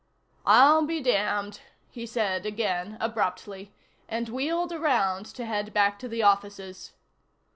"I'll be damned," he said again, abruptly, and wheeled around to head back to the offices.